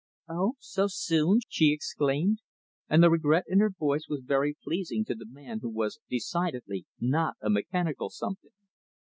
"Oh, so soon!" she exclaimed; and the regret in her voice was very pleasing to the man who was decidedly not a mechanical something.